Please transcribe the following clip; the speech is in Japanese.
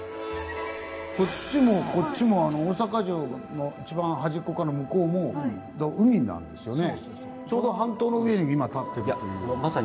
こっちもこっちも大阪城の一番端っこから向こうも海なんですよね。